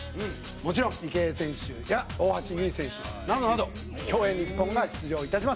もちろん池江選手や大橋悠依選手などなど競泳日本が出場いたします。